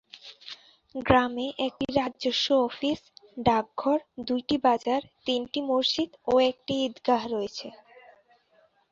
গ্রামে একটি রাজস্ব অফিস, ডাকঘর, দুইটি বাজার, তিনটি মসজিদ ও একটি ঈদগাহ রয়েছে।